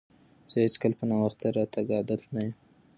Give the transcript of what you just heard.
زه هیڅکله په ناوخته راتګ عادت نه یم.